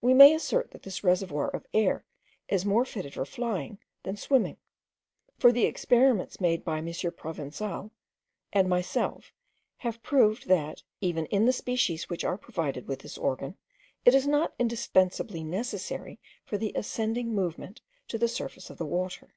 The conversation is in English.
We may assert that this reservoir of air is more fitted for flying than swimming; for the experiments made by M. Provenzal and myself have proved, that, even in the species which are provided with this organ, it is not indispensably necessary for the ascending movement to the surface of the water.